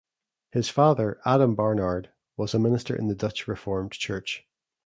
His father, Adam Barnard, was a minister in the Dutch Reformed Church.